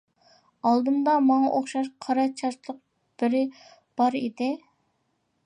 ئالدىمدا ماڭا ئوخشاش قارا چاچلىق بىرى بار ئىدى.